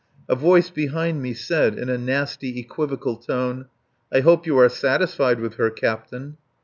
A voice behind me said in a nasty equivocal tone: "I hope you are satisfied with her, Captain."